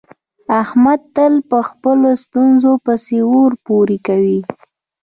احمد تل په خپلو ستونزو پسې اور پورې کوي.